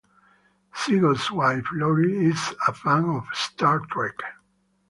Seago's wife Lori is a fan of Star Trek.